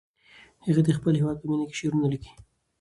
هغه د خپل هېواد په مینه کې شعرونه لیکي.